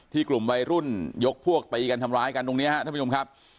กลุ่มวัยรุ่นยกพวกตีกันทำร้ายกันตรงนี้ครับท่านผู้ชมครับ